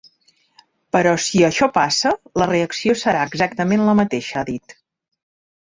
Però si això passa, la reacció serà exactament la mateixa, ha dit.